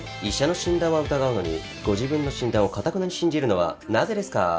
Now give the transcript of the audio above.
医者の診断は疑うのにご自分の診断をかたくなに信じるのはなぜですか？